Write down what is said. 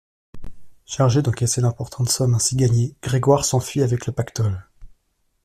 Chargé d'encaisser l'importante somme ainsi gagnée, Grégoire s'enfuit avec le pactole.